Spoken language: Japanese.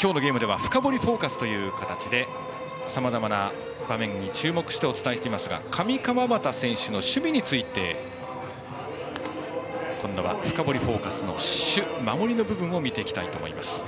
今日のゲームでは「深掘りＦＯＣＵＳ」という形でさまざまな場面に注目してお伝えしていますが上川畑選手の守備について今度は「深掘りＦＯＣＵＳ」の守守りの部分を見ていきたいと思います。